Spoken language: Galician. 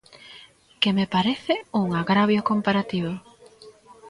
Que me parece un agravio comparativo.